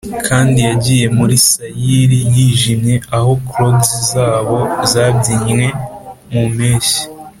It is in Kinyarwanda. kandi yagiye muri sayiri yijimye aho clogs zabo zabyinnye mu mpeshyi,